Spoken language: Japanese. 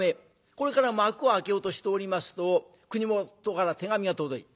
これから幕を開けようとしておりますと国元から手紙が届いた。